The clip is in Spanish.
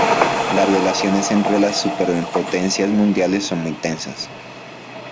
Las relaciones entre las superpotencias mundiales son muy tensas.